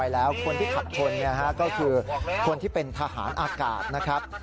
แล้วคนที่ขับชนก็คือคนที่เป็นทหารอากาศนะครับ